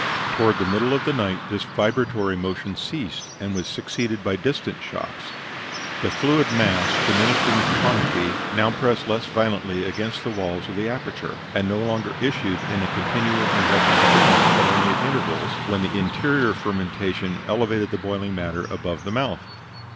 Toward the middle of the night this vibratory motion ceased, and was succeeded by distant shocks. The fluid mass, diminished in quantity, now pressed less violently against the walls of the aperture, and no longer issued in a continual and gushing stream, but only at intervals, when the interior fermentation elevated the boiling matter above the mouth.